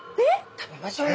食べましょうよ。